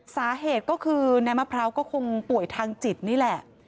สาเหตุก็คือนายมะพร้าวก็คงป่วยทางจิตนี่แหละ